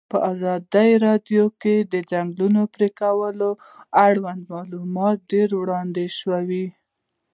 په ازادي راډیو کې د د ځنګلونو پرېکول اړوند معلومات ډېر وړاندې شوي.